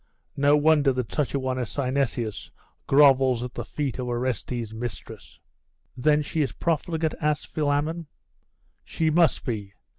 No wonder that such a one as Synesius grovels at the feet of Orestes' mistress!' 'Then she is profligate?' asked Philammon. 'She must be.